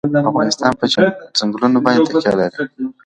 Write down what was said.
افغانستان په چنګلونه باندې تکیه لري.